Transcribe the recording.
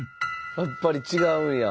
やっぱり違うんや。